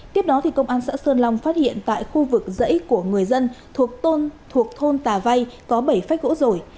tiếp đó công an xã sơn long phát hiện tại khu vực dãy của người dân thuộc thôn tà vay có bảy phách gỗ rổi